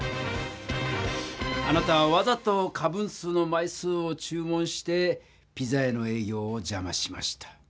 あなたはわざと仮分数の枚数を注文してピザ屋のえい業をじゃましました。